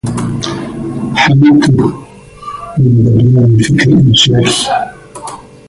حمدتُ من ببيانِ الفكر أنشاكِ